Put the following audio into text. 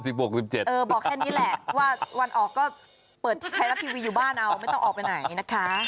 บอกแค่นี้แหละว่าวันออกก็เปิดที่ไทยรัฐทีวีอยู่บ้านเอาไม่ต้องออกไปไหนนะคะ